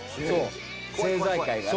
政財界がね。